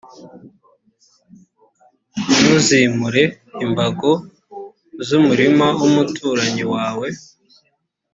ntuzimure imbago z’umurima w’umuturanyi wawe,